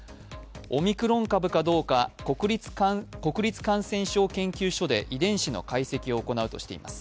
オミクロン株かどうか国立感染症研究所で遺伝子の解析を行うとしています。